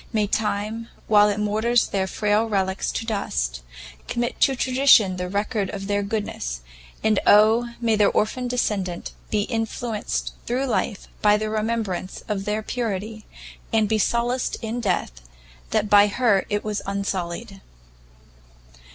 may time, while it moulders their frail relicks to dust, commit to tradition the record of their goodness; and Oh, may their orphan descendant be influenced through life by the remembrance of their purity, and be solaced in death, that by her it was unsullied!"